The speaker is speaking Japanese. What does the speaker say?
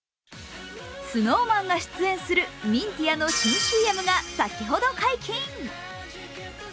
ＳｎｏｗＭａｎが出演するミンティアの新ＣＭが先ほど解禁。